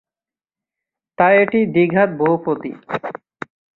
তাই এটি দ্বিঘাত বহুপদী।